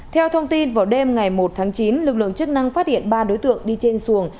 theo thông tin vào đêm ngày một tháng chín lực lượng chức năng phát hiện ba đối tượng đi trên xuồng